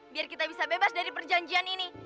biar kita bisa bebas dari perjanjian ini